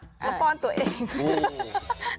แล้วป้อนตัวเอง